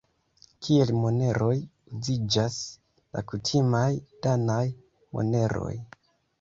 Kiel moneroj uziĝas la kutimaj danaj moneroj.